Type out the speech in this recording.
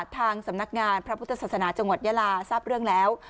ทางสำนักงานพระพุทธศาสนาจังหวัดยาลาทราบเรื่องแล้ว